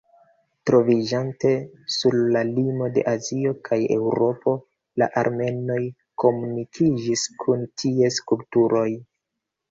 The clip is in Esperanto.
Troviĝante sur la limo de Azio kaj Eŭropo, la armenoj komunikiĝis kun ties kulturoj.